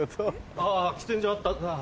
あ喫煙所あった。